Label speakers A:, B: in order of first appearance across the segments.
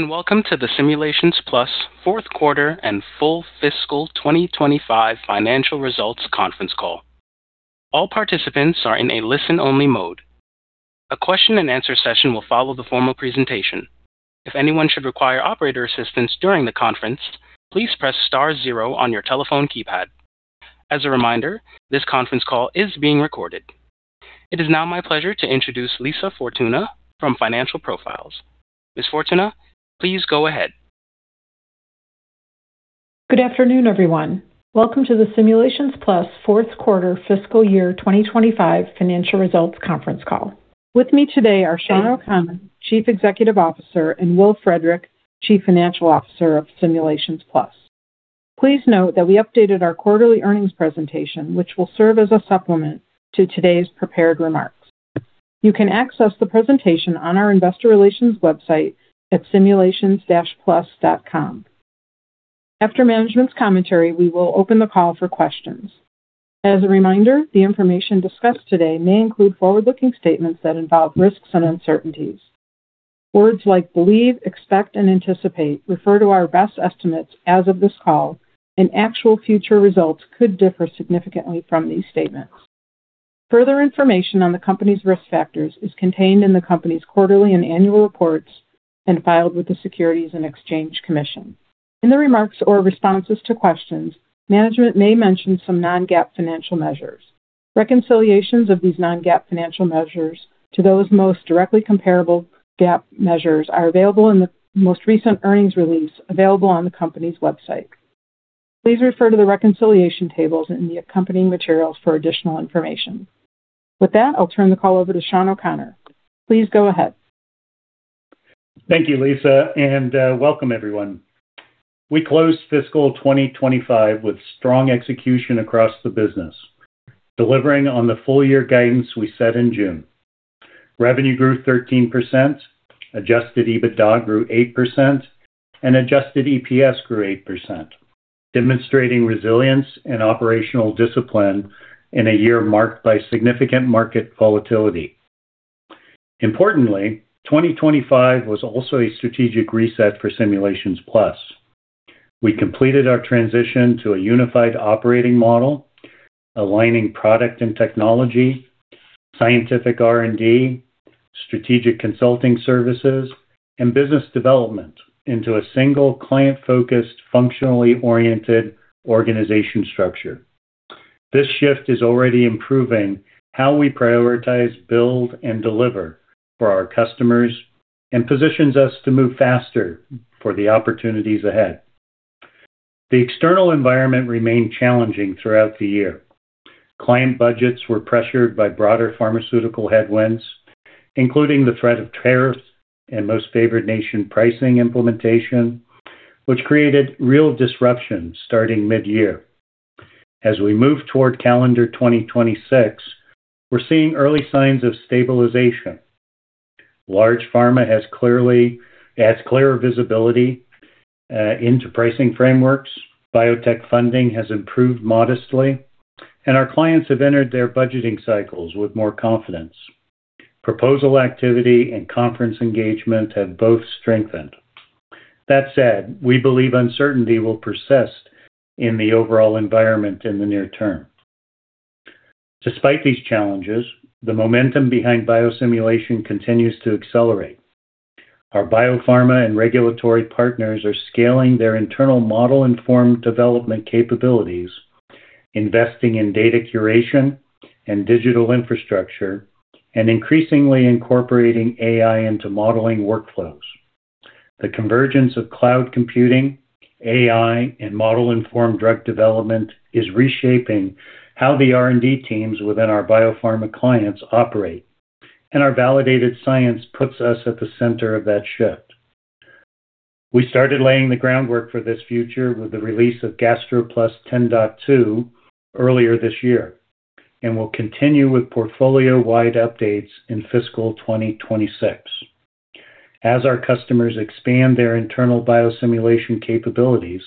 A: Welcome to the Simulations Plus Fourth Quarter and Full Fiscal 2025 Financial Results Conference Call. All participants are in a listen-only mode. A question-and-answer session will follow the formal presentation. If anyone should require operator assistance during the conference, please press star zero on your telephone keypad. As a reminder, this conference call is being recorded. It is now my pleasure to introduce Lisa Fortuna from Financial Profiles. Ms. Fortuna, please go ahead.
B: Good afternoon, everyone. Welcome to the Simulations Plus Fourth Quarter Fiscal Year 2025 Financial Results Conference Call. With me today are Shawn O'Connor, Chief Executive Officer, and Will Frederick, Chief Financial Officer of Simulations Plus. Please note that we updated our quarterly earnings presentation, which will serve as a supplement to today's prepared remarks. You can access the presentation on our investor relations website at simulations-plus.com. After management's commentary, we will open the call for questions. As a reminder, the information discussed today may include forward-looking statements that involve risks and uncertainties. Words like believe, expect, and anticipate refer to our best estimates as of this call, and actual future results could differ significantly from these statements. Further information on the company's risk factors is contained in the company's quarterly and annual reports and filed with the Securities and Exchange Commission. In the remarks or responses to questions, management may mention some non-GAAP financial measures. Reconciliations of these non-GAAP financial measures to those most directly comparable GAAP measures are available in the most recent earnings release available on the company's website. Please refer to the reconciliation tables in the accompanying materials for additional information. With that, I'll turn the call over to Shawn O'Connor. Please go ahead.
C: Thank you, Lisa, and welcome, everyone. We closed fiscal 2025 with strong execution across the business, delivering on the full-year guidance we set in June. Revenue grew 13%, adjusted EBITDA grew 8%, and adjusted EPS grew 8%, demonstrating resilience and operational discipline in a year marked by significant market volatility. Importantly, 2025 was also a strategic reset for Simulations Plus. We completed our transition to a unified operating model, aligning product and technology, scientific R&D, strategic consulting services, and business development into a single client-focused, functionally oriented organization structure. This shift is already improving how we prioritize, build, and deliver for our customers and positions us to move faster for the opportunities ahead. The external environment remained challenging throughout the year. Client budgets were pressured by broader pharmaceutical headwinds, including the threat of tariffs and most favored nation pricing implementation, which created real disruptions starting mid-year. As we move toward calendar 2026, we're seeing early signs of stabilization. Large pharma has clearer visibility into pricing frameworks, biotech funding has improved modestly, and our clients have entered their budgeting cycles with more confidence. Proposal activity and conference engagement have both strengthened. That said, we believe uncertainty will persist in the overall environment in the near term. Despite these challenges, the momentum behind biosimulation continues to accelerate. Our biopharma and regulatory partners are scaling their internal model-informed development capabilities, investing in data curation and digital infrastructure, and increasingly incorporating AI into modeling workflows. The convergence of cloud computing, AI, and model-informed drug development is reshaping how the R&D teams within our biopharma clients operate, and our validated science puts us at the center of that shift. We started laying the groundwork for this future with the release of GastroPlus 10.2 earlier this year, and we'll continue with portfolio-wide updates in fiscal 2026. As our customers expand their internal biosimulation capabilities,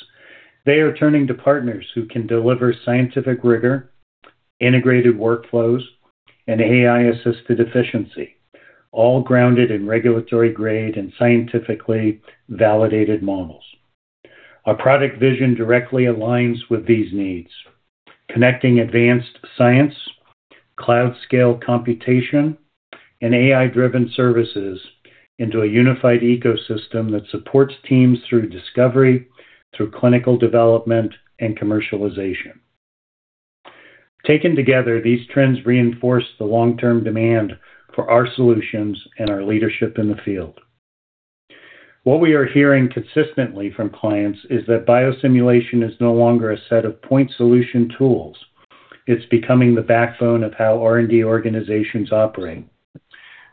C: they are turning to partners who can deliver scientific rigor, integrated workflows, and AI-assisted efficiency, all grounded in regulatory-grade and scientifically validated models. Our product vision directly aligns with these needs, connecting advanced science, cloud-scale computation, and AI-driven services into a unified ecosystem that supports teams through discovery, through clinical development, and commercialization. Taken together, these trends reinforce the long-term demand for our solutions and our leadership in the field. What we are hearing consistently from clients is that biosimulation is no longer a set of point solution tools; it's becoming the backbone of how R&D organizations operate.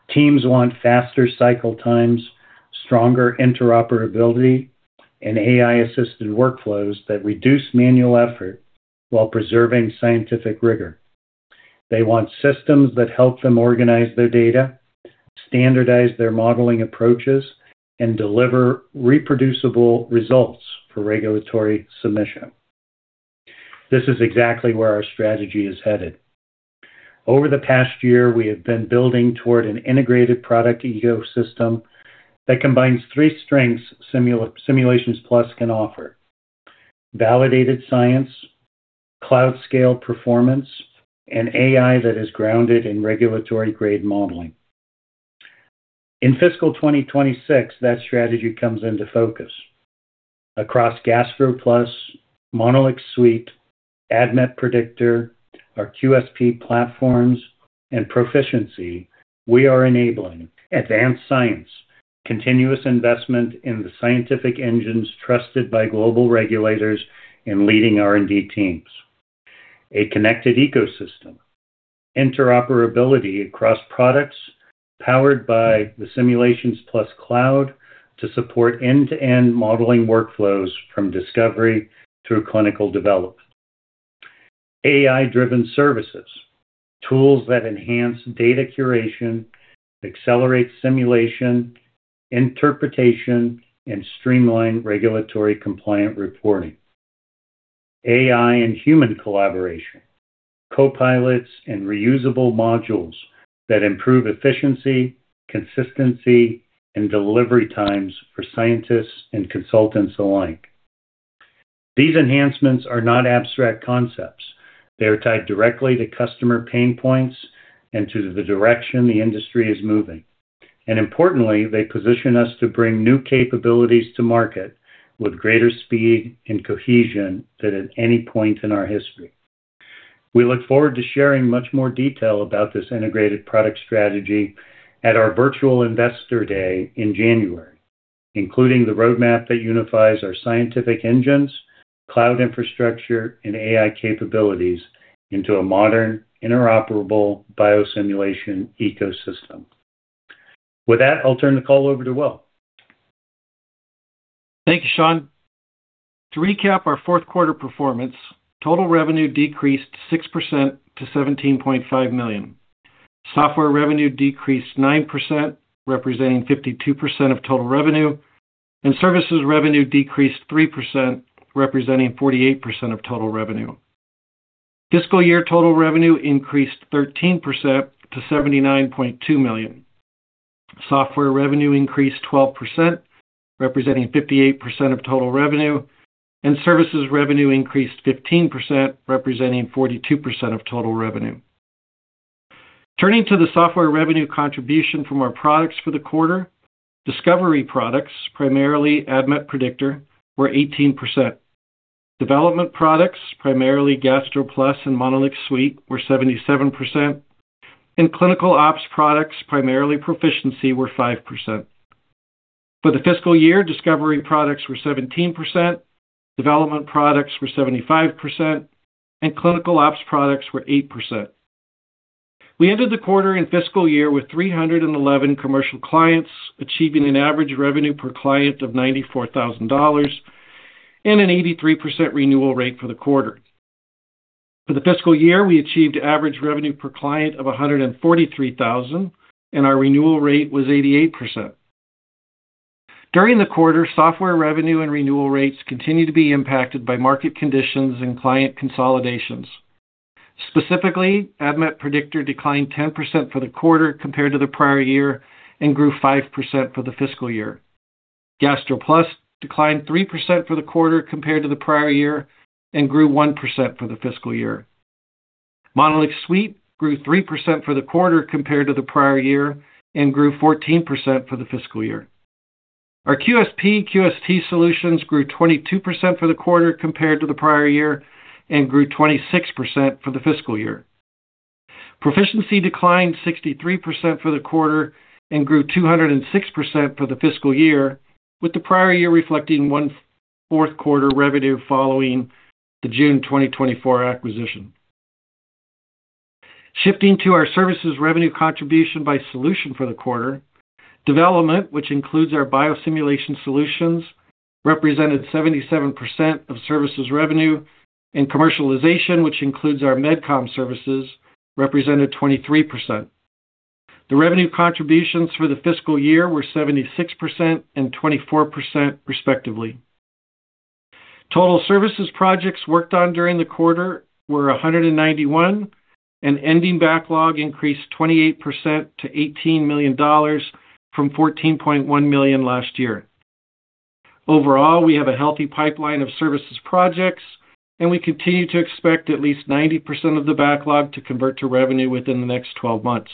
C: Teams want faster cycle times, stronger interoperability, and AI-assisted workflows that reduce manual effort while preserving scientific rigor. They want systems that help them organize their data, standardize their modeling approaches, and deliver reproducible results for regulatory submission. This is exactly where our strategy is headed. Over the past year, we have been building toward an integrated product ecosystem that combines three strengths Simulations Plus can offer: validated science, cloud-scale performance, and AI that is grounded in regulatory-grade modeling. In fiscal 2026, that strategy comes into focus. Across GastroPlus, MonolixSuite, ADMET Predictor, our QSP platforms, and Pro-ficiency, we are enabling advanced science, continuous investment in the scientific engines trusted by global regulators, and leading R&D teams. A connected ecosystem, interoperability across products powered by the Simulations Plus Cloud to support end-to-end modeling workflows from discovery through clinical development. AI-driven services, tools that enhance data curation, accelerate simulation, interpretation, and streamline regulatory compliant reporting. AI and human collaboration, copilots, and reusable modules that improve efficiency, consistency, and delivery times for scientists and consultants alike. These enhancements are not abstract concepts. They are tied directly to customer pain points and to the direction the industry is moving. Importantly, they position us to bring new capabilities to market with greater speed and cohesion than at any point in our history. We look forward to sharing much more detail about this integrated product strategy at our virtual investor day in January, including the roadmap that unifies our scientific engines, cloud infrastructure, and AI capabilities into a modern, interoperable biosimulation ecosystem. With that, I'll turn the call over to Will.
D: Thank you, Shawn. To recap our fourth quarter performance, total revenue decreased 6% to $17.5 million. Software revenue decreased 9%, representing 52% of total revenue, and services revenue decreased 3%, representing 48% of total revenue. Fiscal year total revenue increased 13% to $79.2 million. Software revenue increased 12%, representing 58% of total revenue, and services revenue increased 15%, representing 42% of total revenue. Turning to the software revenue contribution from our products for the quarter, discovery products, primarily ADMET Predictor, were 18%. Development products, primarily GastroPlus and MonolixSuite, were 77%, and clinical ops products, primarily Pro-ficiency, were 5%. For the fiscal year, discovery products were 17%, development products were 75%, and clinical ops products were 8%. We ended the quarter and fiscal year with 311 commercial clients, achieving an average revenue per client of $94,000 and an 83% renewal rate for the quarter. For the fiscal year, we achieved average revenue per client of $143,000, and our renewal rate was 88%. During the quarter, software revenue and renewal rates continued to be impacted by market conditions and client consolidations. Specifically, ADMET Predictor declined 10% for the quarter compared to the prior year and grew 5% for the fiscal year. GastroPlus declined 3% for the quarter compared to the prior year and grew 1% for the fiscal year. MonolixSuite grew 3% for the quarter compared to the prior year and grew 14% for the fiscal year. Our QSP, QST solutions grew 22% for the quarter compared to the prior year and grew 26% for the fiscal year. Pro-ficiency declined 63% for the quarter and grew 206% for the fiscal year, with the prior year reflecting one fourth quarter revenue following the June 2024 acquisition. Shifting to our services revenue contribution by solution for the quarter, development, which includes our biosimulation solutions, represented 77% of services revenue, and commercialization, which includes our Med-Com services, represented 23%. The revenue contributions for the fiscal year were 76% and 24%, respectively. Total services projects worked on during the quarter were 191, and ending backlog increased 28% to $18 million from $14.1 million last year. Overall, we have a healthy pipeline of services projects, and we continue to expect at least 90% of the backlog to convert to revenue within the next 12 months.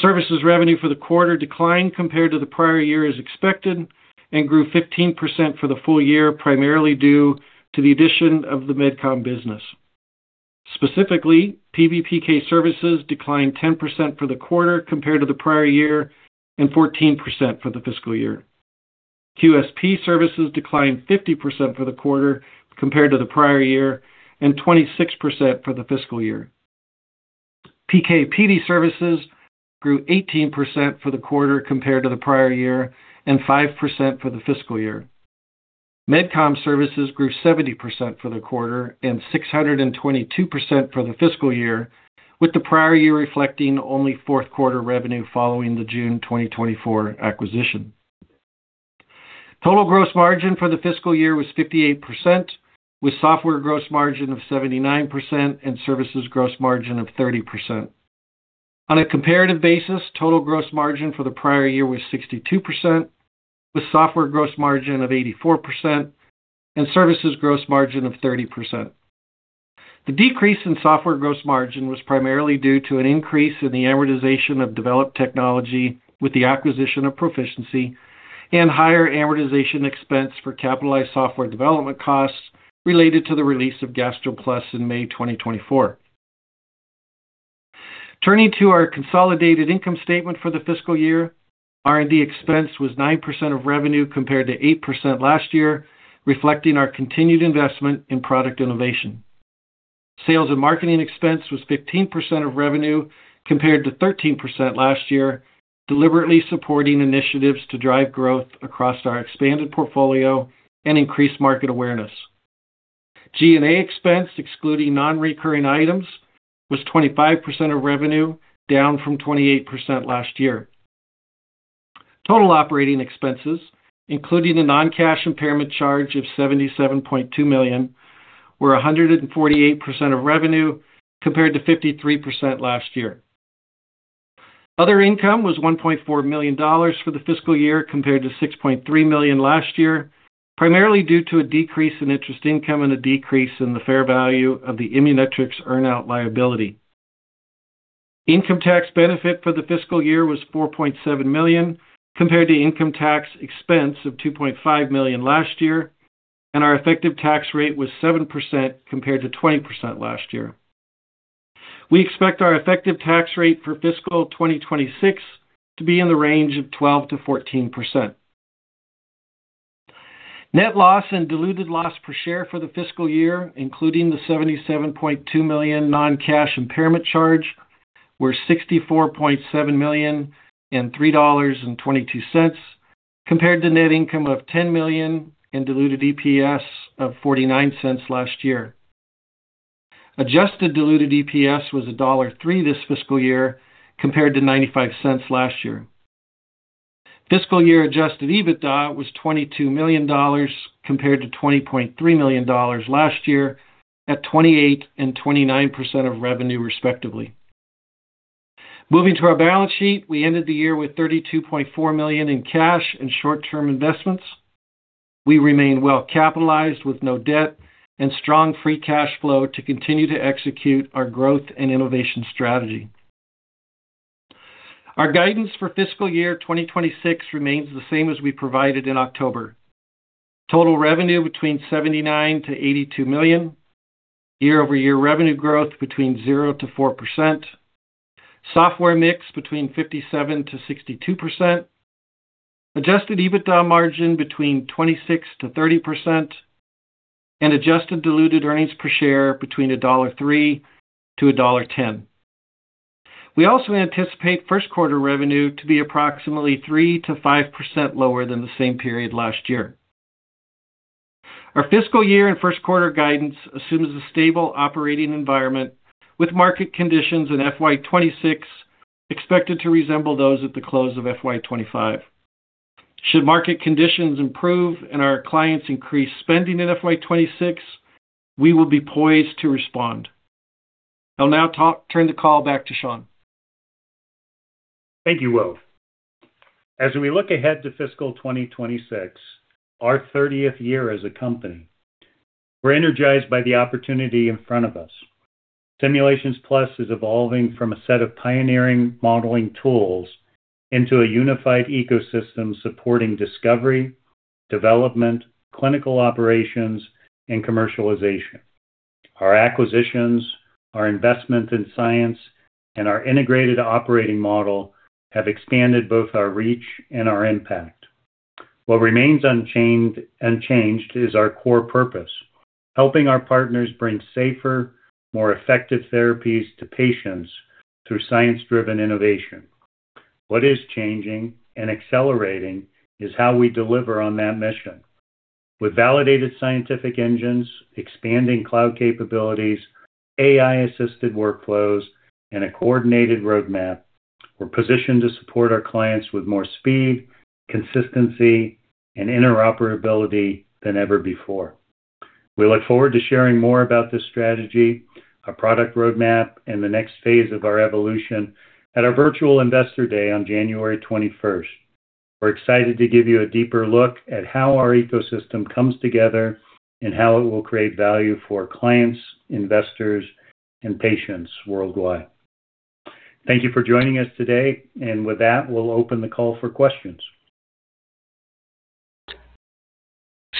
D: Services revenue for the quarter declined compared to the prior year, as expected, and grew 15% for the full year, primarily due to the addition of the Med-Com business. Specifically, PBPK services declined 10% for the quarter compared to the prior year and 14% for the fiscal year. QSP services declined 50% for the quarter compared to the prior year and 26% for the fiscal year. PKPD services grew 18% for the quarter compared to the prior year and 5% for the fiscal year. Med-Com services grew 70% for the quarter and 622% for the fiscal year, with the prior year reflecting only fourth quarter revenue following the June 2024 acquisition. Total gross margin for the fiscal year was 58%, with software gross margin of 79% and services gross margin of 30%. On a comparative basis, total gross margin for the prior year was 62%, with software gross margin of 84% and services gross margin of 30%. The decrease in software gross margin was primarily due to an increase in the amortization of developed technology with the acquisition of Pro-ficiency and higher amortization expense for capitalized software development costs related to the release of GastroPlus in May 2024. Turning to our consolidated income statement for the fiscal year, R&D expense was 9% of revenue compared to 8% last year, reflecting our continued investment in product innovation. Sales and marketing expense was 15% of revenue compared to 13% last year, deliberately supporting initiatives to drive growth across our expanded portfolio and increased market awareness. G&A expense, excluding non-recurring items, was 25% of revenue, down from 28% last year. Total operating expenses, including a non-cash impairment charge of $77.2 million, were 148% of revenue compared to 53% last year. Other income was $1.4 million for the fiscal year compared to $6.3 million last year, primarily due to a decrease in interest income and a decrease in the fair value of the Immunetrix earn-out liability. Income tax benefit for the fiscal year was $4.7 million compared to income tax expense of $2.5 million last year, and our effective tax rate was 7% compared to 20% last year. We expect our effective tax rate for fiscal 2026 to be in the range of 12%-14%. Net loss and diluted loss per share for the fiscal year, including the $77.2 million non-cash impairment charge, were $64.7 million and $3.22 compared to net income of $10 million and diluted EPS of $0.49 last year. Adjusted diluted EPS was $1.03 this fiscal year compared to $0.95 last year. Fiscal year adjusted EBITDA was $22 million compared to $20.3 million last year at 28% and 29% of revenue, respectively. Moving to our balance sheet, we ended the year with $32.4 million in cash and short-term investments. We remain well capitalized with no debt and strong free cash flow to continue to execute our growth and innovation strategy. Our guidance for fiscal year 2026 remains the same as we provided in October. Total revenue between $79 million-$82 million, year-over-year revenue growth between 0%-4%, software mix between 57%-62%, adjusted EBITDA margin between 26%-30%, and adjusted diluted earnings per share between $1.03-$1.10. We also anticipate first quarter revenue to be approximately 3%-5% lower than the same period last year. Our fiscal year and first quarter guidance assumes a stable operating environment with market conditions in fiscal year 2026 expected to resemble those at the close of fiscal year 2025. Should market conditions improve and our clients increase spending in fiscal year 2026, we will be poised to respond. I'll now turn the call back to Shawn.
C: Thank you, Will. As we look ahead to fiscal 2026, our 30th year as a company, we're energized by the opportunity in front of us. Simulations Plus is evolving from a set of pioneering modeling tools into a unified ecosystem supporting discovery, development, clinical operations, and commercialization. Our acquisitions, our investment in science, and our integrated operating model have expanded both our reach and our impact. What remains unchanged is our core purpose: helping our partners bring safer, more effective therapies to patients through science-driven innovation. What is changing and accelerating is how we deliver on that mission. With validated scientific engines, expanding cloud capabilities, AI-assisted workflows, and a coordinated roadmap, we're positioned to support our clients with more speed, consistency, and interoperability than ever before. We look forward to sharing more about this strategy, our product roadmap, and the next phase of our evolution at our virtual investor day on January 21st. We're excited to give you a deeper look at how our ecosystem comes together and how it will create value for clients, investors, and patients worldwide. Thank you for joining us today, and with that, we'll open the call for questions.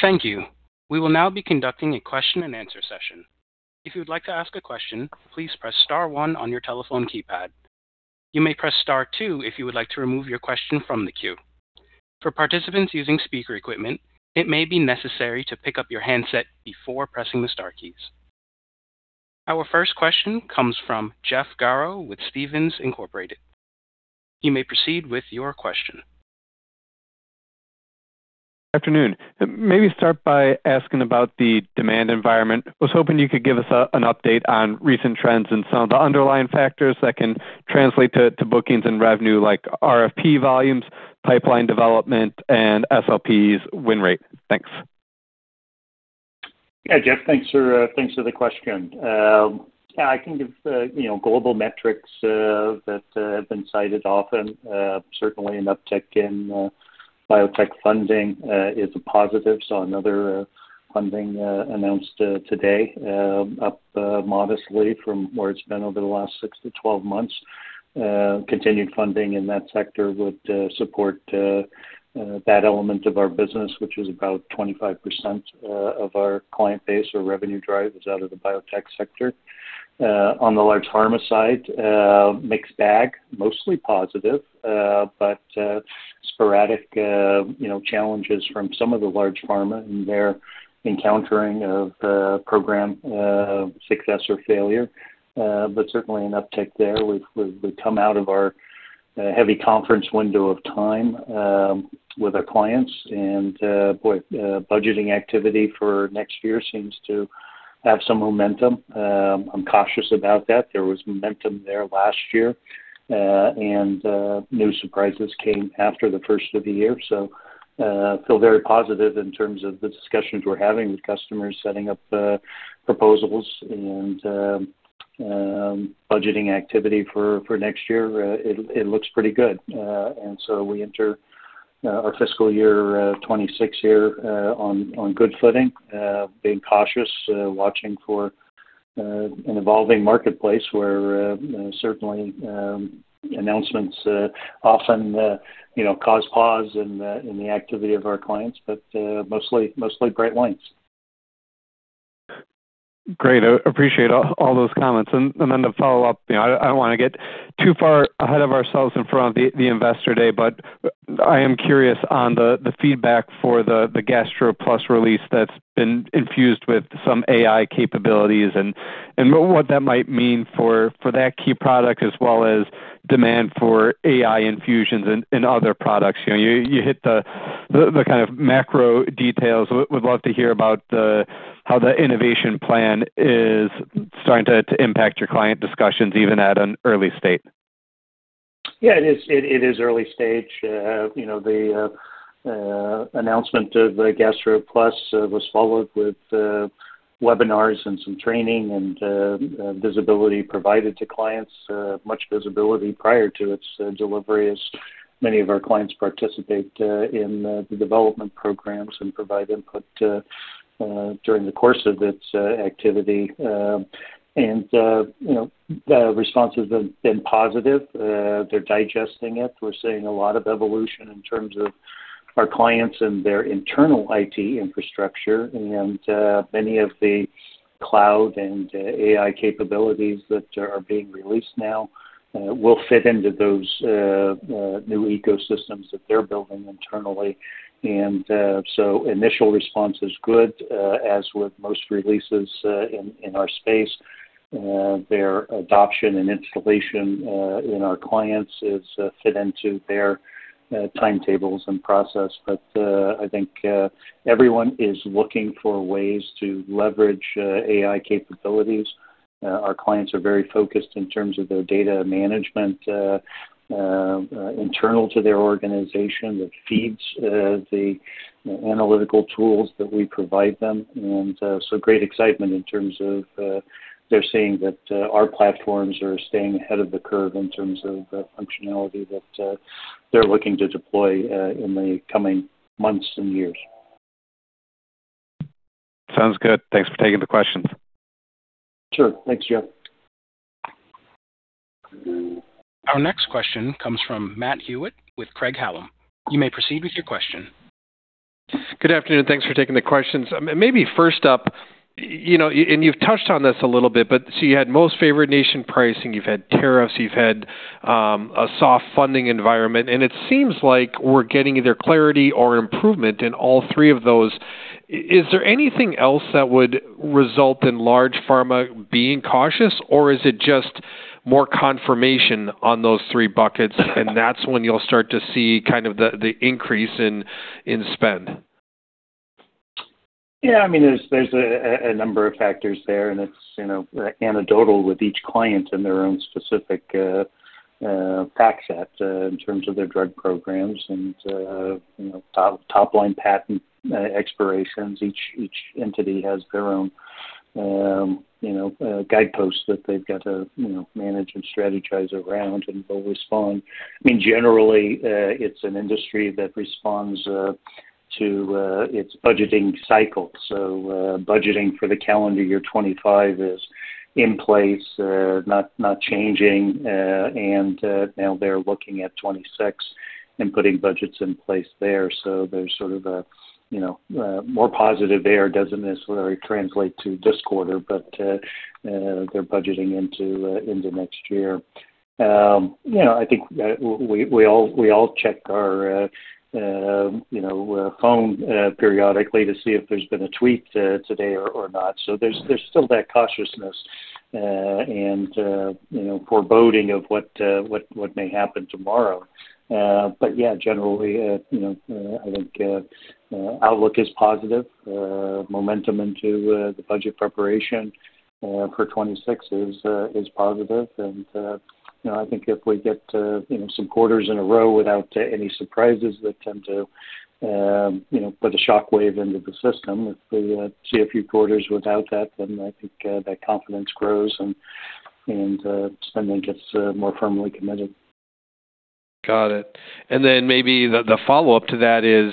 A: Thank you. We will now be conducting a question-and-answer session. If you would like to ask a question, please press Star 1 on your telephone keypad. You may press Star 2 if you would like to remove your question from the queue. For participants using speaker equipment, it may be necessary to pick up your handset before pressing the Star keys. Our first question comes from Jeff Garro with Stephens incorporated. You may proceed with your question.
E: Good afternoon. Maybe start by asking about the demand environment. I was hoping you could give us an update on recent trends and some of the underlying factors that can translate to bookings and revenue, like RFP volumes, pipeline development, and SLP's win rate. Thanks.
C: Yeah, Jeff, thanks for the question. Yeah, I think global metrics that have been cited often, certainly an uptick in biotech funding, is a positive. Saw another funding announced today, up modestly from where it's been over the last six to 12 months. Continued funding in that sector would support that element of our business, which is about 25% of our client base or revenue drivers out of the biotech sector. On the large pharma side, mixed bag, mostly positive, but sporadic challenges from some of the large pharma in their encountering of program success or failure, but certainly an uptick there. We've come out of our heavy conference window of time with our clients, and budgeting activity for next year seems to have some momentum. I'm cautious about that. There was momentum there last year, and new surprises came after the first of the year. I feel very positive in terms of the discussions we're having with customers setting up proposals and budgeting activity for next year. It looks pretty good. We enter our fiscal year 2026 here on good footing, being cautious, watching for an evolving marketplace where certainly announcements often cause pause in the activity of our clients, but mostly bright lines.
E: Great. I appreciate all those comments. To follow up, I do not want to get too far ahead of ourselves in front of the investor day, but I am curious on the feedback for the GastroPlus release that has been infused with some AI capabilities and what that might mean for that key product as well as demand for AI infusions in other products. You hit the kind of macro details. I would love to hear about how the innovation plan is starting to impact your client discussions, even at an early state.
C: Yeah, it is early stage. The announcement of GastroPlus was followed with webinars and some training and visibility provided to clients, much visibility prior to its delivery as many of our clients participate in the development programs and provide input during the course of its activity. The response has been positive. They're digesting it. We're seeing a lot of evolution in terms of our clients and their internal IT infrastructure. Many of the cloud and AI capabilities that are being released now will fit into those new ecosystems that they're building internally. Initial response is good, as with most releases in our space. Their adoption and installation in our clients is fit into their timetables and process. I think everyone is looking for ways to leverage AI capabilities. Our clients are very focused in terms of their data management internal to their organization that feeds the analytical tools that we provide them. There is great excitement in terms of they're seeing that our platforms are staying ahead of the curve in terms of functionality that they're looking to deploy in the coming months and years.
E: Sounds good. Thanks for taking the questions.
C: Sure. Thanks, Jeff.
A: Our next question comes from Matt Hewitt with Craig-Hallum. You may proceed with your question.
F: Good afternoon. Thanks for taking the questions. Maybe first up, and you've touched on this a little bit, but you had most favorite nation pricing, you've had tariffs, you've had a soft funding environment, and it seems like we're getting either clarity or improvement in all three of those. Is there anything else that would result in large pharma being cautious, or is it just more confirmation on those three buckets, and that's when you'll start to see kind of the increase in spend?
C: Yeah, I mean, there's a number of factors there, and it's anecdotal with each client and their own specific facts in terms of their drug programs and top-line patent expirations. Each entity has their own guideposts that they've got to manage and strategize around and will respond. I mean, generally, it's an industry that responds to its budgeting cycle. Budgeting for the calendar year 2025 is in place, not changing, and now they're looking at 2026 and putting budgets in place there. There's sort of a more positive there. It doesn't necessarily translate to this quarter, but they're budgeting into next year. I think we all check our phone periodically to see if there's been a tweet today or not. There's still that cautiousness and foreboding of what may happen tomorrow. Yeah, generally, I think outlook is positive. Momentum into the budget preparation for 2026 is positive. I think if we get some quarters in a row without any surprises that tend to put a shockwave into the system, if we see a few quarters without that, I think that confidence grows and then gets more firmly committed.
F: Got it. Maybe the follow-up to that is,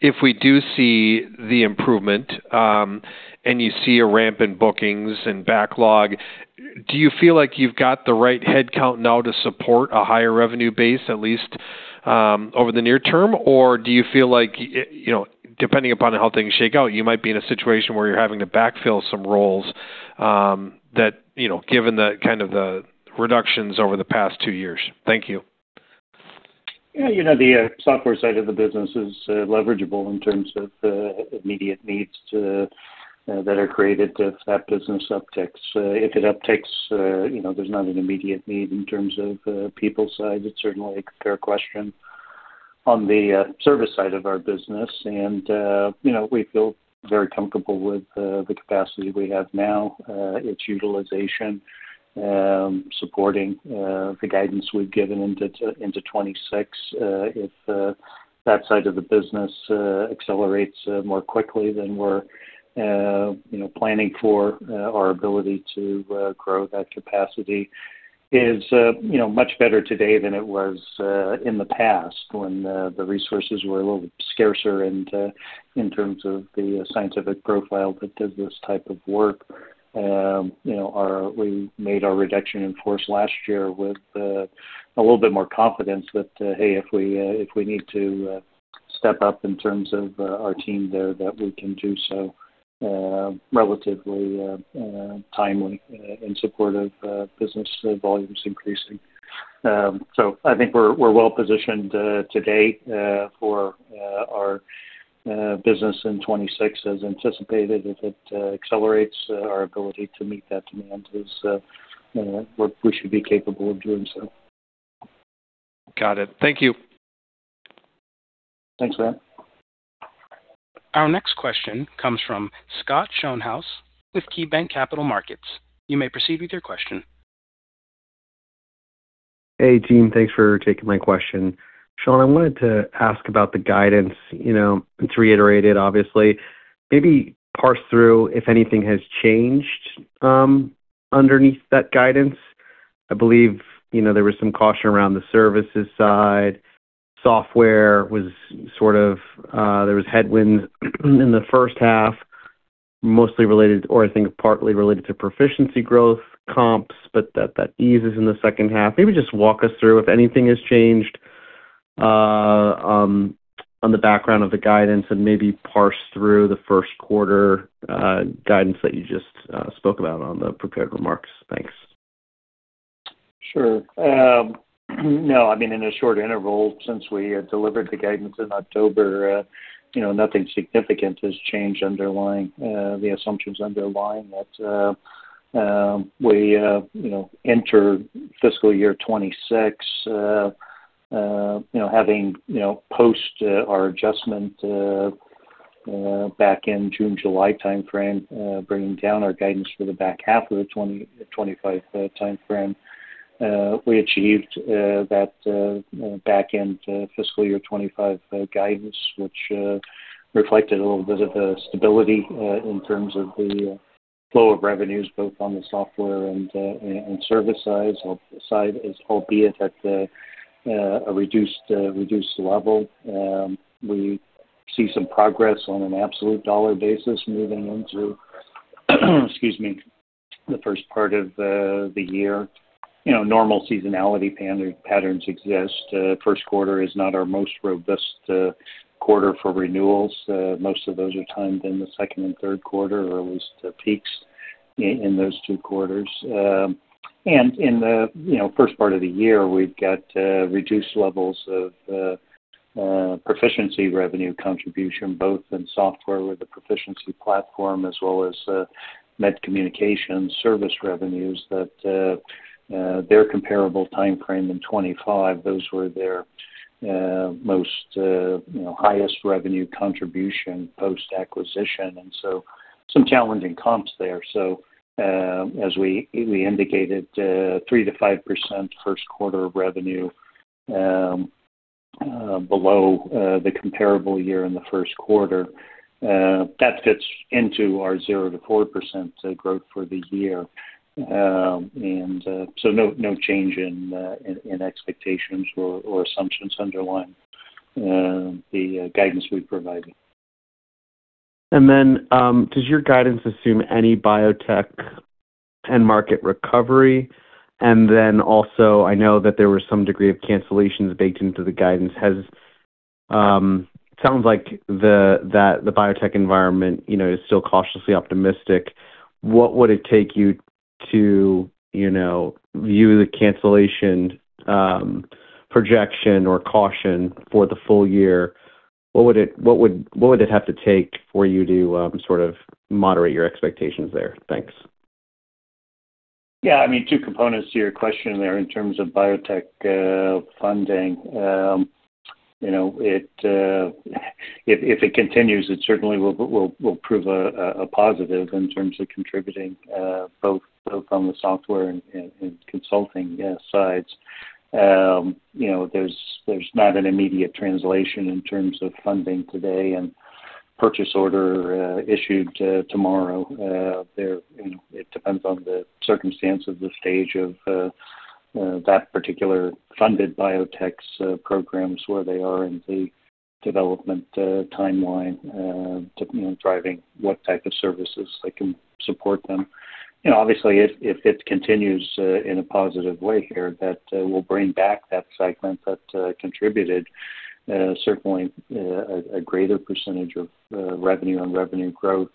F: if we do see the improvement and you see a ramp in bookings and backlog, do you feel like you've got the right headcount now to support a higher revenue base, at least over the near term, or do you feel like, depending upon how things shake out, you might be in a situation where you're having to backfill some roles given kind of the reductions over the past two years? Thank you.
C: Yeah, the software side of the business is leverageable in terms of immediate needs that are created if that business upticks. If it upticks, there's not an immediate need in terms of people side. It's certainly a fair question on the service side of our business. We feel very comfortable with the capacity we have now, its utilization, supporting the guidance we've given into 2026. If that side of the business accelerates more quickly, then we're planning for our ability to grow that capacity. It's much better today than it was in the past when the resources were a little scarcer in terms of the scientific profile that does this type of work. We made our reduction in force last year with a little bit more confidence that, hey, if we need to step up in terms of our team there, that we can do so relatively timely in support of business volumes increasing. I think we're well positioned today for our business in 2026 as anticipated. If it accelerates, our ability to meet that demand is we should be capable of doing so.
F: Got it. Thank you.
C: Thanks, Matt.
A: Our next question comes from Scott Schoenhaus with KeyBanc Capital Markets. You may proceed with your question.
G: Hey, Jean. Thanks for taking my question. Shawn, I wanted to ask about the guidance. It's reiterated, obviously. Maybe parse through if anything has changed underneath that guidance. I believe there was some caution around the services side. Software was sort of, there was headwinds in the first half, mostly related, or I think partly related to Pro-ficiency growth comps, but that eases in the second half. Maybe just walk us through if anything has changed on the background of the guidance and maybe parse through the first quarter guidance that you just spoke about on the prepared remarks. Thanks.
C: Sure. No, I mean, in a short interval since we delivered the guidance in October, nothing significant has changed underlying the assumptions underlying that we enter fiscal year 2026, having post our adjustment back in June, July timeframe, bringing down our guidance for the back half of the 2025 timeframe. We achieved that back-end fiscal year 2025 guidance, which reflected a little bit of stability in terms of the flow of revenues, both on the software and service side, albeit at a reduced level. We see some progress on an absolute dollar basis moving into, excuse me, the first part of the year. Normal seasonality patterns exist. First quarter is not our most robust quarter for renewals. Most of those are timed in the second and third quarter or at least peaks in those two quarters. In the first part of the year, we've got reduced levels of Pro-ficiency revenue contribution, both in software with the Pro-ficiency platform as well as med communication service revenues that their comparable timeframe in 2025, those were their most highest revenue contribution post acquisition. Some challenging comps there. As we indicated, 3%-5% first quarter revenue below the comparable year in the first quarter. That fits into our 0%-4% growth for the year. No change in expectations or assumptions underlying the guidance we've provided.
G: Does your guidance assume any biotech and market recovery? I know that there was some degree of cancellations baked into the guidance. It sounds like the biotech environment is still cautiously optimistic. What would it take you to view the cancellation projection or caution for the full year? What would it have to take for you to sort of moderate your expectations there? Thanks.
C: Yeah. I mean, two components to your question there in terms of biotech funding. If it continues, it certainly will prove a positive in terms of contributing both on the software and consulting sides. There's not an immediate translation in terms of funding today and purchase order issued tomorrow. It depends on the circumstance of the stage of that particular funded biotech's programs where they are in the development timeline to driving what type of services that can support them. Obviously, if it continues in a positive way here, that will bring back that segment that contributed certainly a greater percentage of revenue and revenue growth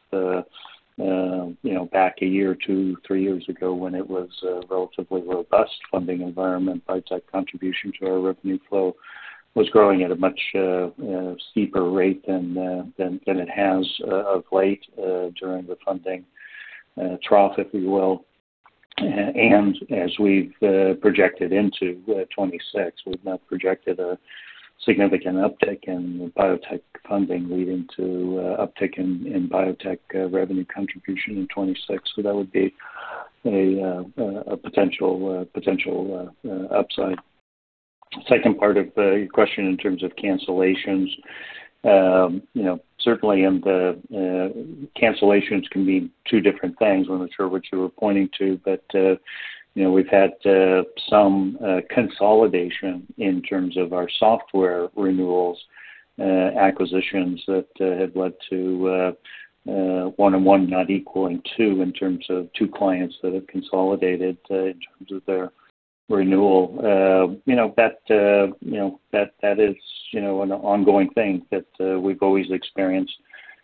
C: back a year or two, three years ago when it was a relatively robust funding environment. Biotech contribution to our revenue flow was growing at a much steeper rate than it has of late during the funding trough, if you will. As we've projected into 2026, we've not projected a significant uptick in biotech funding leading to uptick in biotech revenue contribution in 2026. That would be a potential upside. Second part of your question in terms of cancellations, certainly cancellations can be two different things. I'm not sure what you were pointing to, but we've had some consolidation in terms of our software renewals, acquisitions that have led to one and one not equaling two in terms of two clients that have consolidated in terms of their renewal. That is an ongoing thing that we've always experienced,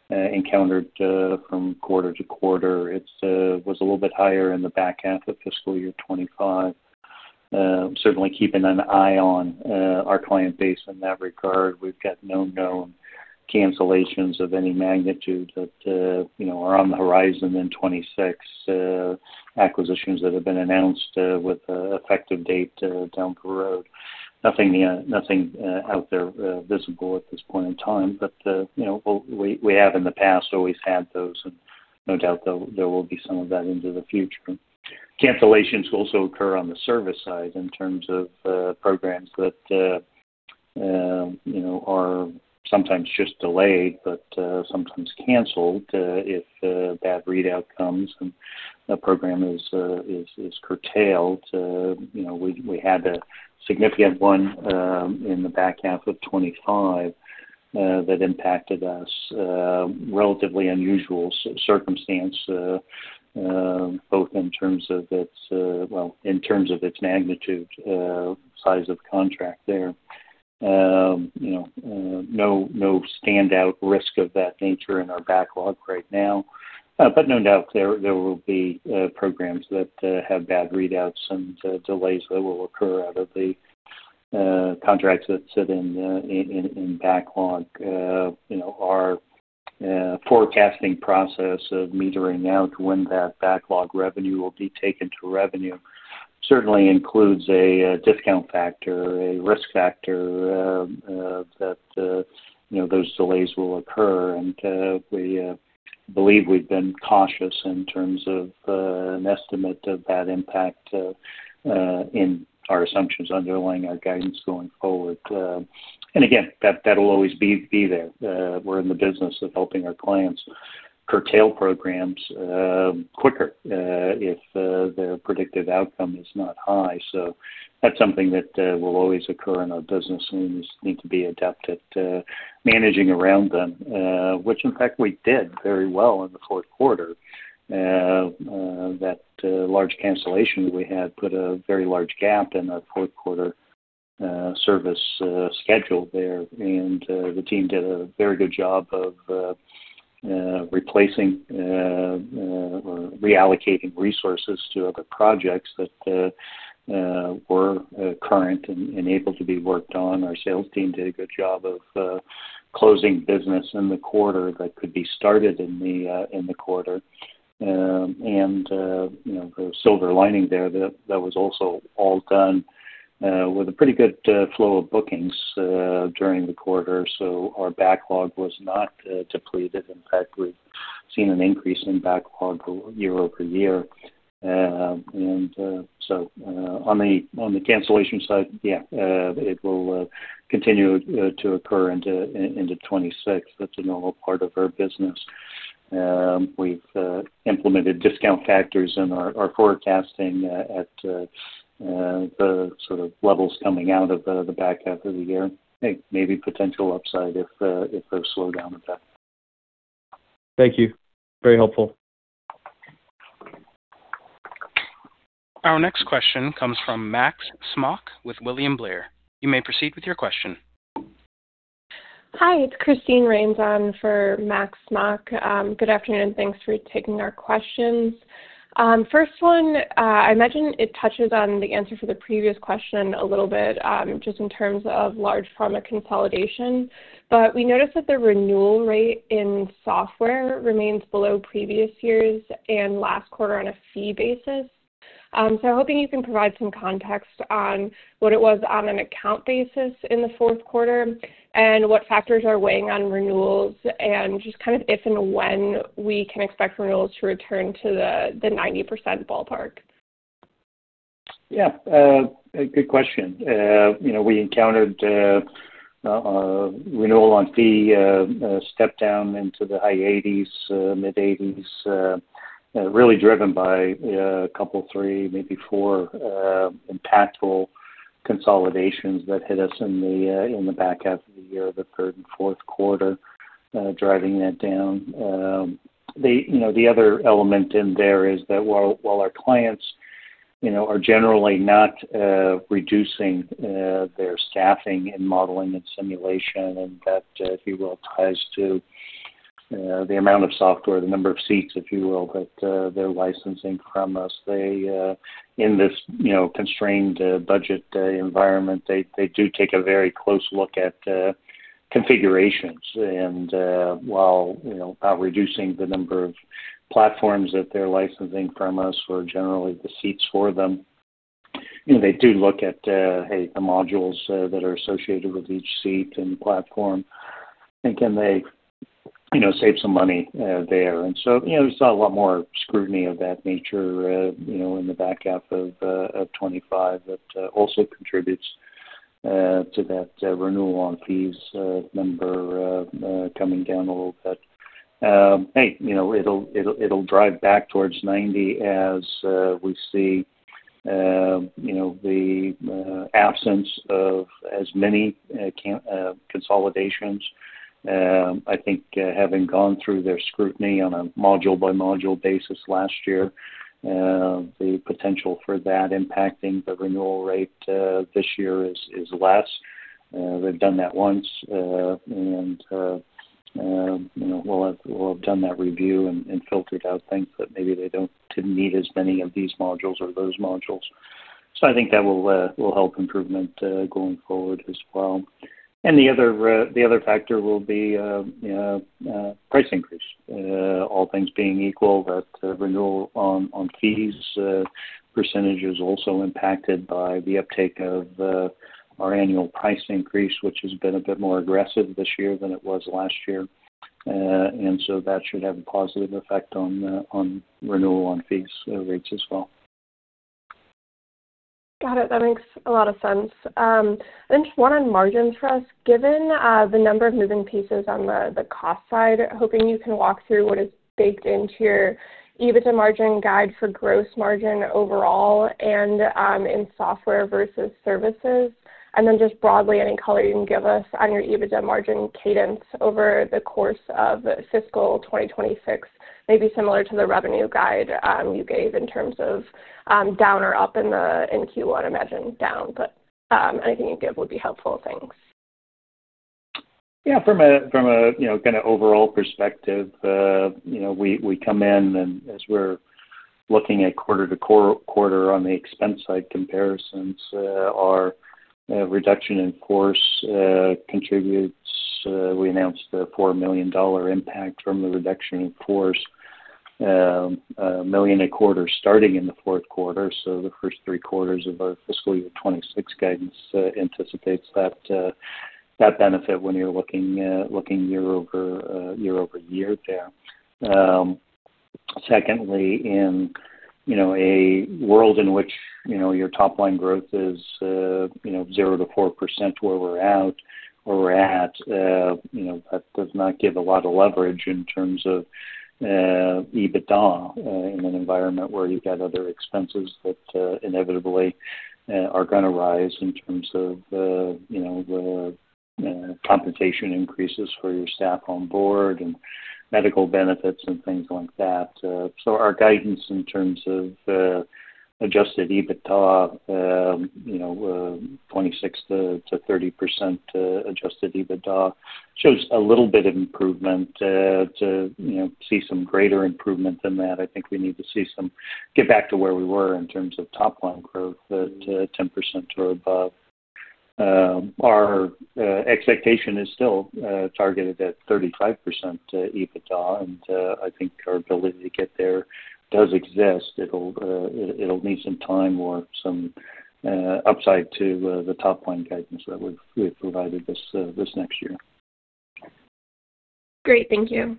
C: encountered from quarter to quarter. It was a little bit higher in the back half of fiscal year 2025. Certainly keeping an eye on our client base in that regard. We've got no known cancellations of any magnitude that are on the horizon in 2026, acquisitions that have been announced with an effective date down the road. Nothing out there visible at this point in time, but we have in the past always had those, and no doubt there will be some of that into the future. Cancellations also occur on the service side in terms of programs that are sometimes just delayed, but sometimes canceled if bad readout comes and a program is curtailed. We had a significant one in the back half of 2025 that impacted us, relatively unusual circumstance, both in terms of its, well, in terms of its magnitude, size of contract there. No standout risk of that nature in our backlog right now, but no doubt there will be programs that have bad readouts and delays that will occur out of the contracts that sit in backlog. Our forecasting process of metering out when that backlog revenue will be taken to revenue certainly includes a discount factor, a risk factor that those delays will occur. We believe we've been cautious in terms of an estimate of that impact in our assumptions underlying our guidance going forward. That will always be there. We're in the business of helping our clients curtail programs quicker if their predicted outcome is not high. That's something that will always occur in our business and we just need to be adept at managing around them, which in fact we did very well in the fourth quarter. That large cancellation we had put a very large gap in our fourth quarter service schedule there. The team did a very good job of replacing or reallocating resources to other projects that were current and able to be worked on. Our sales team did a good job of closing business in the quarter that could be started in the quarter. The silver lining there, that was also all done with a pretty good flow of bookings during the quarter. Our backlog was not depleted. In fact, we've seen an increase in backlog year over year. On the cancellation side, yeah, it will continue to occur into 2026. That's a normal part of our business. We've implemented discount factors in our forecasting at the sort of levels coming out of the back half of the year. Hey, maybe potential upside if those slow down a bit.
G: Thank you. Very helpful.
A: Our next question comes from Max Smock with William Blair. You may proceed with your question.
H: Hi, it's Christine Rains on for Max Smock. Good afternoon. Thanks for taking our questions. First one, I imagine it touches on the answer for the previous question a little bit just in terms of large pharma consolidation, but we noticed that the renewal rate in software remains below previous years and last quarter on a fee basis. I am hoping you can provide some context on what it was on an account basis in the fourth quarter and what factors are weighing on renewals and just kind of if and when we can expect renewals to return to the 90% ballpark.
C: Yeah. Good question. We encountered renewal on fee step down into the high 80s, mid 80s, really driven by a couple, three, maybe four impactful consolidations that hit us in the back half of the year, the third and fourth quarter, driving that down. The other element in there is that while our clients are generally not reducing their staffing and modeling and simulation, and that, if you will, ties to the amount of software, the number of seats, if you will, that they're licensing from us. In this constrained budget environment, they do take a very close look at configurations. While not reducing the number of platforms that they're licensing from us or generally the seats for them, they do look at, hey, the modules that are associated with each seat and platform and can they save some money there. We saw a lot more scrutiny of that nature in the back half of 2025 that also contributes to that renewal on fees number coming down a little bit. It'll drive back towards 90% as we see the absence of as many consolidations. I think having gone through their scrutiny on a module-by-module basis last year, the potential for that impacting the renewal rate this year is less. They've done that once and will have done that review and filtered out things that maybe they do not need as many of these modules or those modules. I think that will help improvement going forward as well. The other factor will be price increase. All things being equal, that renewal on fees percentage is also impacted by the uptake of our annual price increase, which has been a bit more aggressive this year than it was last year. That should have a positive effect on renewal on fees rates as well.
H: Got it. That makes a lot of sense. Just one on margins for us. Given the number of moving pieces on the cost side, hoping you can walk through what is baked into your EBITDA margin guide for gross margin overall and in software versus services. Just broadly, any color you can give us on your EBITDA margin cadence over the course of fiscal 2026, maybe similar to the revenue guide you gave in terms of down or up in Q1, I imagine down, but anything you give would be helpful. Thanks.
C: Yeah. From a kind of overall perspective, we come in and as we're looking at quarter-to-quarter on the expense side comparisons, our reduction in force contributes. We announced the $4 million impact from the reduction in force, million and quarter starting in the fourth quarter. So the first three quarters of our fiscal year 2026 guidance anticipates that benefit when you're looking year over year there. Secondly, in a world in which your top-line growth is 0-4% where we're at, that does not give a lot of leverage in terms of EBITDA in an environment where you've got other expenses that inevitably are going to rise in terms of compensation increases for your staff on board and medical benefits and things like that. Our guidance in terms of adjusted EBITDA, 26-30% adjusted EBITDA, shows a little bit of improvement. To see some greater improvement than that, I think we need to get back to where we were in terms of top-line growth at 10% or above. Our expectation is still targeted at 35% EBITDA, and I think our ability to get there does exist. It'll need some time or some upside to the top-line guidance that we've provided this next year.
H: Great. Thank you.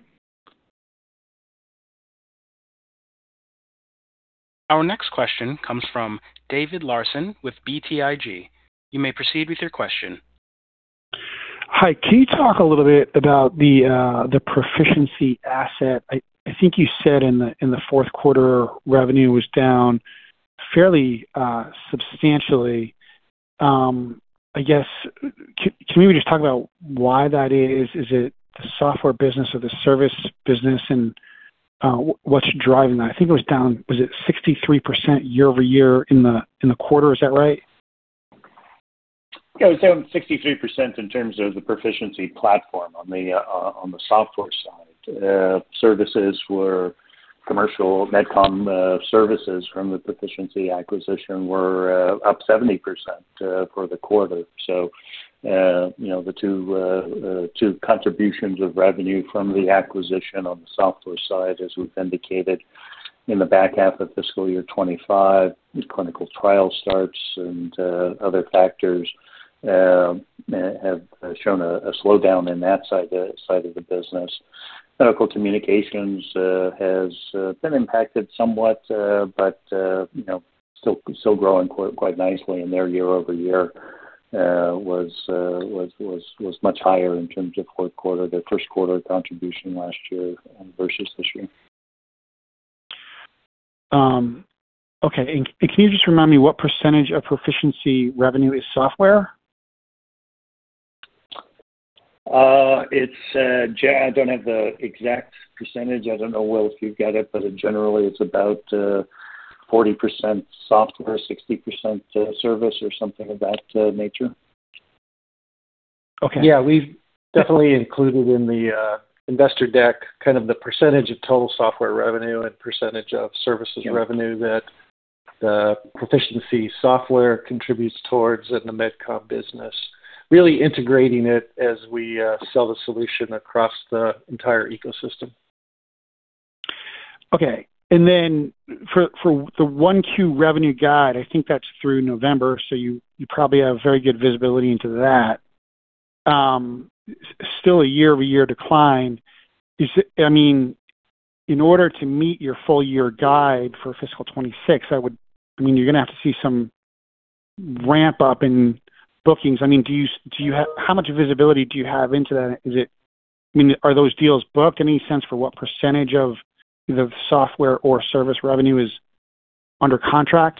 A: Our next question comes from David Larson with BTIG. You may proceed with your question.
I: Hi. Can you talk a little bit about the Pro-ficiency asset? I think you said in the fourth quarter revenue was down fairly substantially. I guess, can we just talk about why that is? Is it the software business or the service business, and what's driving that? I think it was down, was it 63% year over year in the quarter? Is that right?
C: It was down 63% in terms of the Pro-ficiency platform on the software side. Services were commercial Med-Com services from the Pro-ficiency acquisition were up 70% for the quarter. The two contributions of revenue from the acquisition on the software side, as we've indicated in the back half of fiscal year 2025, clinical trial starts and other factors have shown a slowdown in that side of the business. Medical communications has been impacted somewhat, but still growing quite nicely in their year over year was much higher in terms of fourth quarter, their first quarter contribution last year versus this year.
I: Okay. Can you just remind me what percentage of Pro-ficiency revenue is software?
C: I don't have the exact percentage. I don't know if you've got it, but generally it's about 40% software, 60% service, or something of that nature.
D: Okay. Yeah. We've definitely included in the investor deck kind of the % of total software revenue and % of services revenue that the Pro-ficiency software contributes towards in the Med-Com business, really integrating it as we sell the solution across the entire ecosystem.
I: Okay. For the 1Q revenue guide, I think that's through November, so you probably have very good visibility into that. Still a year-over-year decline. I mean, in order to meet your full year guide for fiscal 2026, I mean, you're going to have to see some ramp up in bookings. I mean, do you have how much visibility do you have into that? I mean, are those deals booked? Any sense for what % of the software or service revenue is under contract?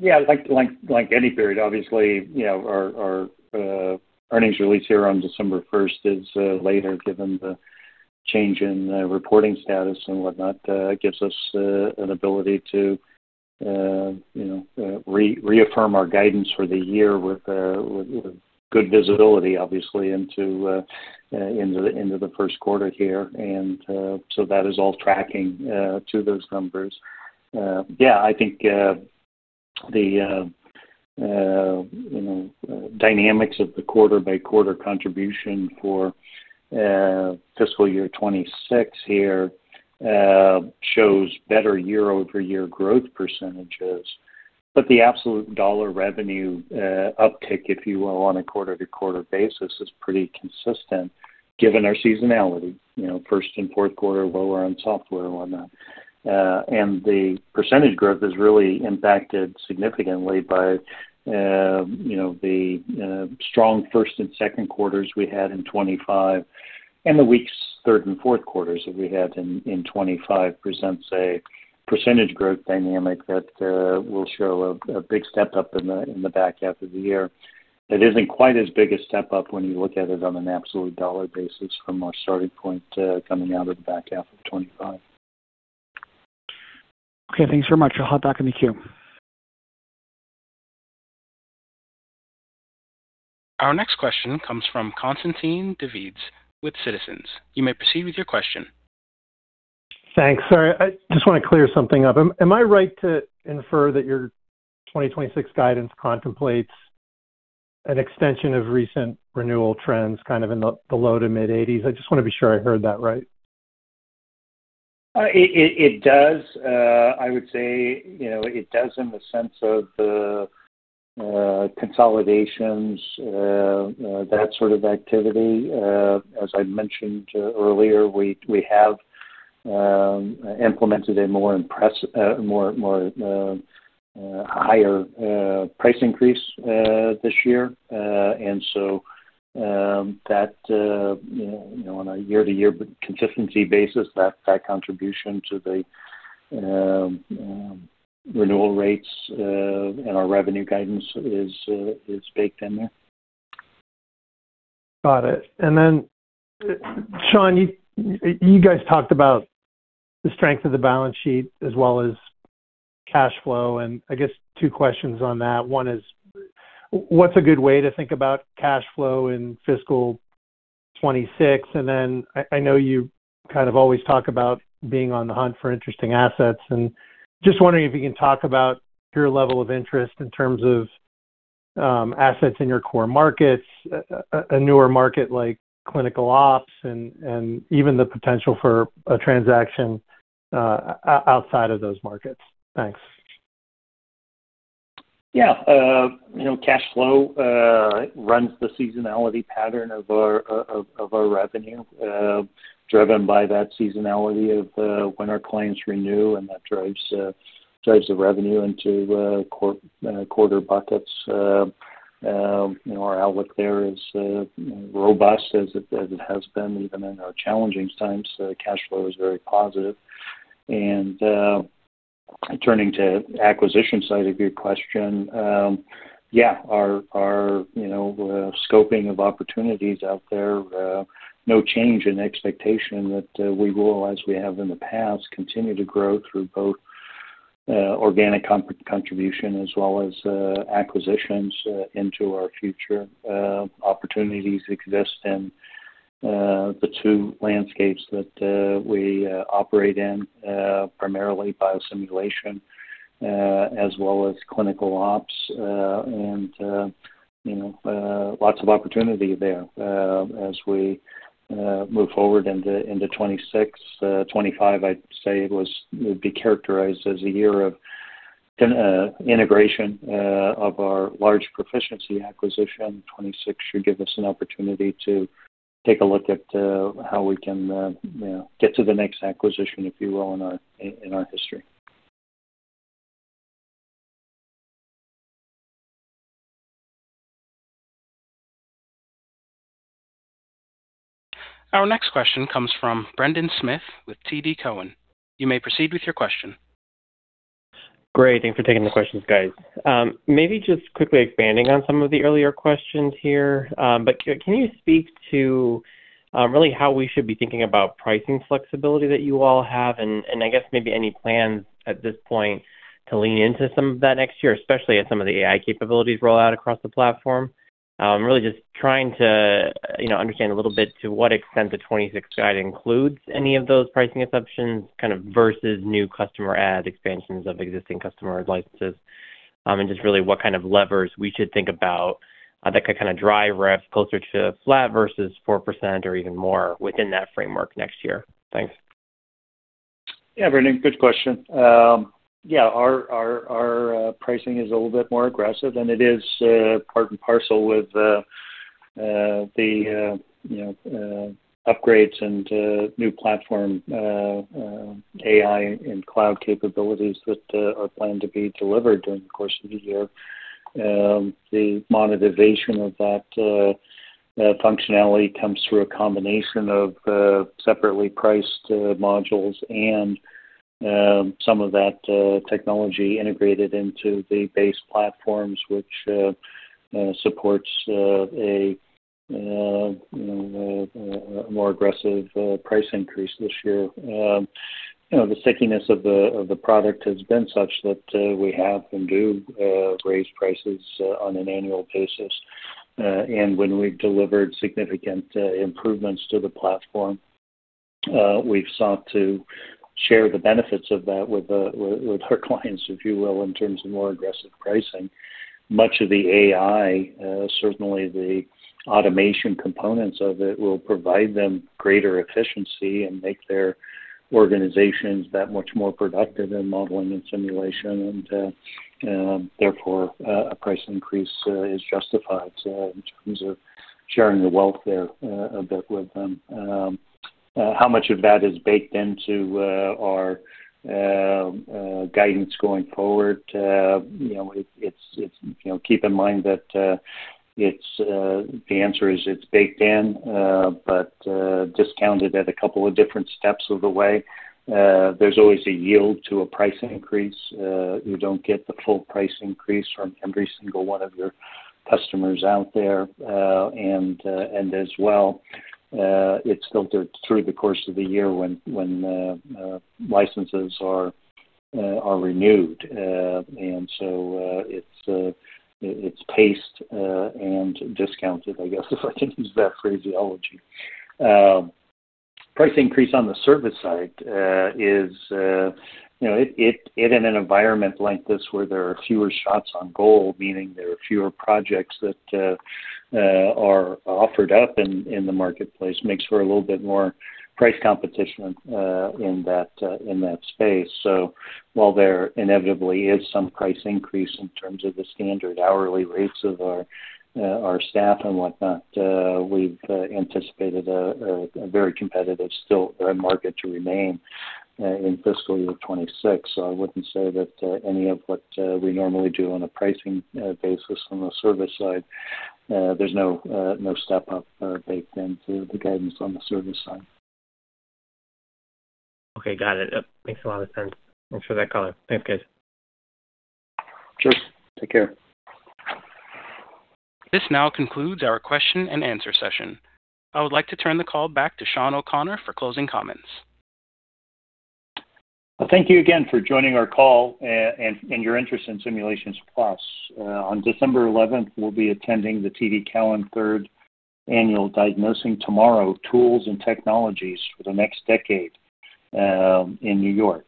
C: Yeah. Like any period, obviously, our earnings release here on December 1st is later, given the change in reporting status and whatnot. It gives us an ability to reaffirm our guidance for the year with good visibility, obviously, into the first quarter here. That is all tracking to those numbers. Yeah. I think the dynamics of the quarter-by-quarter contribution for fiscal year 2026 here shows better year-over-year growth percentages. The absolute dollar revenue uptick, if you will, on a quarter-to-quarter basis is pretty consistent given our seasonality. First and fourth quarter lower on software and whatnot. The percentage growth is really impacted significantly by the strong first and second quarters we had in 2025. The weak third and fourth quarters that we had in 2025 presents a percentage growth dynamic that will show a big step up in the back half of the year. It isn't quite as big a step up when you look at it on an absolute dollar basis from our starting point coming out of the back half of 2025.
I: Okay. Thanks very much. I'll hop back in the queue.
A: Our next question comes from Constantine Davies with Citizen. You may proceed with your question. Thanks. Sorry. I just want to clear something up. Am I right to infer that your 2026 guidance contemplates an extension of recent renewal trends kind of in the low to mid 80%? I just want to be sure I heard that right.
C: It does. I would say it does in the sense of the consolidations, that sort of activity. As I mentioned earlier, we have implemented a more higher price increase this year. That, on a year-to-year consistency basis, that contribution to the renewal rates and our revenue guidance is baked in there.
J: Got it. Sean, you guys talked about the strength of the balance sheet as well as cash flow. I guess two questions on that. One is, what's a good way to think about cash flow in fiscal 2026? I know you kind of always talk about being on the hunt for interesting assets. Just wondering if you can talk about your level of interest in terms of assets in your core markets, a newer market like clinical ops, and even the potential for a transaction outside of those markets. Thanks.
C: Yeah. Cash flow runs the seasonality pattern of our revenue driven by that seasonality of when our clients renew, and that drives the revenue into quarter buckets. Our outlook there is robust as it has been even in our challenging times. Cash flow is very positive. Turning to acquisition side of your question, yeah, our scoping of opportunities out there, no change in expectation that we will, as we have in the past, continue to grow through both organic contribution as well as acquisitions into our future. Opportunities exist in the two landscapes that we operate in, primarily biosimulation as well as clinical ops, and lots of opportunity there as we move forward into 2026. 2025, I'd say, would be characterized as a year of integration of our large Pro-ficiency acquisition. 2026 should give us an opportunity to take a look at how we can get to the next acquisition, if you will, in our history.
A: Our next question comes from Brendan Smith with TD Cowen. You may proceed with your question.
J: Great. Thanks for taking the questions, guys. Maybe just quickly expanding on some of the earlier questions here, but can you speak to really how we should be thinking about pricing flexibility that you all have? I guess maybe any plans at this point to lean into some of that next year, especially as some of the AI capabilities roll out across the platform? Really just trying to understand a little bit to what extent the 2026 guide includes any of those pricing exceptions kind of versus new customer ad expansions of existing customer licenses, and just really what kind of levers we should think about that could kind of drive reps closer to flat versus 4% or even more within that framework next year. Thanks.
C: Yeah, Brendan, good question. Yeah. Our pricing is a little bit more aggressive, and it is part and parcel with the upgrades and new platform AI and cloud capabilities that are planned to be delivered during the course of the year. The monetization of that functionality comes through a combination of separately priced modules and some of that technology integrated into the base platforms, which supports a more aggressive price increase this year. The stickiness of the product has been such that we have and do raise prices on an annual basis. When we've delivered significant improvements to the platform, we've sought to share the benefits of that with our clients, if you will, in terms of more aggressive pricing. Much of the AI, certainly the automation components of it, will provide them greater efficiency and make their organizations that much more productive in modeling and simulation. Therefore, a price increase is justified in terms of sharing the wealth there a bit with them. How much of that is baked into our guidance going forward? Keep in mind that the answer is it's baked in, but discounted at a couple of different steps of the way. There's always a yield to a price increase. You don't get the full price increase from every single one of your customers out there. As well, it's filtered through the course of the year when licenses are renewed. It is paced and discounted, I guess, if I can use that phraseology. Price increase on the service side is, in an environment like this where there are fewer shots on goal, meaning there are fewer projects that are offered up in the marketplace, makes for a little bit more price competition in that space. While there inevitably is some price increase in terms of the standard hourly rates of our staff and whatnot, we've anticipated a very competitive still market to remain in fiscal year 2026. I wouldn't say that any of what we normally do on a pricing basis on the service side, there's no step up baked into the guidance on the service side.
J: Okay. Got it. That makes a lot of sense. Thanks for that, Colin. Thanks, guys.
C: Sure. Take care.
A: This now concludes our question and answer session. I would like to turn the call back to Shawn O'Connor for closing comments.
C: Thank you again for joining our call and your interest in Simulations Plus. On December 11th, we'll be attending the TD Cowen Third Annual Diagnosing Tomorrow: Tools and Technologies for the Next Decade in New York.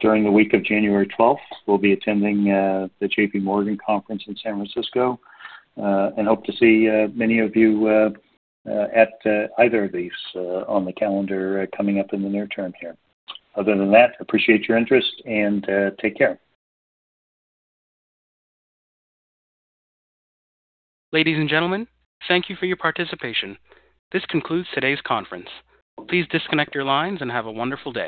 C: During the week of January 12th, we'll be attending the JP Morgan Conference in San Francisco and hope to see many of you at either of these on the calendar coming up in the near term here. Other than that, appreciate your interest and take care.
A: Ladies and gentlemen, thank you for your participation. This concludes today's conference. Please disconnect your lines and have a wonderful day.